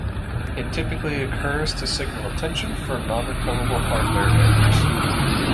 It typically occurs to signal attention for non-recoverable hardware errors.